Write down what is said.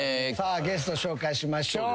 ゲスト紹介しましょう。